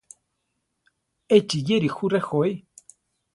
Échi yéri jú rejoí.